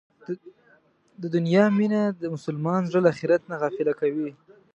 د دنیا مینه د مسلمان زړه له اخرت نه غافله کوي.